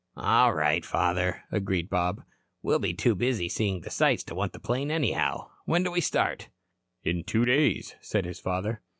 "All right, father," agreed Bob. "We'll be too busy seeing the sights to want the plane, anyhow. When do we start?" "In two days," said his father.